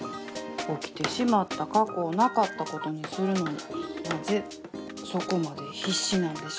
起きてしまった過去をなかったことにするのになぜそこまで必死なんでしょう。